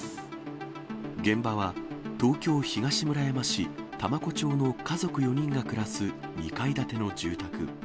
現場は東京・東村山市多摩湖町の家族４人が暮らす２階建ての住宅。